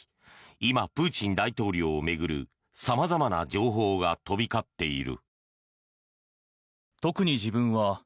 今、プーチン大統領を巡る様々な情報が飛び交っている。